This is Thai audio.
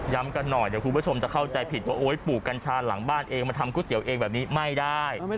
กันหน่อยเดี๋ยวคุณผู้ชมจะเข้าใจผิดว่าโอ๊ยปลูกกัญชาหลังบ้านเองมาทำก๋วยเตี๋ยวเองแบบนี้ไม่ได้